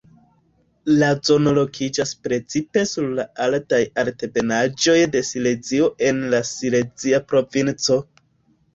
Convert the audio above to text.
La zono lokiĝas precipe sur la altaj altebenaĵoj de Silezio en la Silezia provinco.